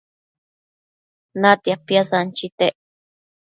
Natia piasanchitec